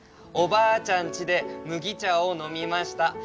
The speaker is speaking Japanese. おばあちゃんちでむぎちゃをのみました。